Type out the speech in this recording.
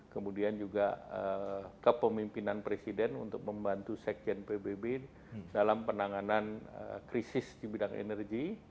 kemudian juga kepemimpinan presiden untuk membantu sekjen pbb dalam penanganan krisis di bidang energi